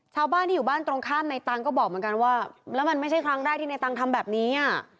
ชาวบ้านที่อยู่บ้านตรงข้ามในตังค์ก็บอกเหมือนกันว่าแล้วมันไม่ใช่ครั้งแรกที่ในตังค์ทำแบบนี้อ่ะ